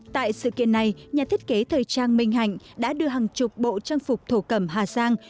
tại sự kiện này nhà thiết kế thời trang minh hạnh đã đưa hàng chục bộ trang phục thổ cẩm hà giang